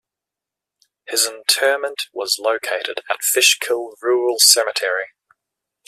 His interment was located at Fishkill Rural cemetery.